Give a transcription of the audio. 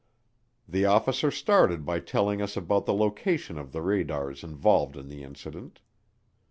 The officer started by telling us about the location of the radars involved in the incident.